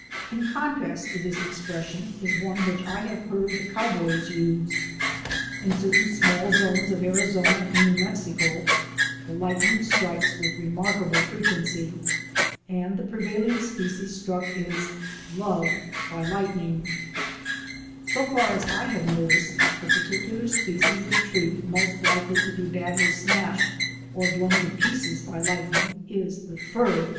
In contrast to this expression is one which I have heard the cowboys use. In certain small zones of LIGHTNING AND THUNDER 127 Arizona and New Mexico the lightning strikes with remarkable frequency, and the prevailing species struck is " loved by lightning/' So far as I have noticed, the particular species of tree most likely to be badly smashed or blown to pieces by lightning is the fir.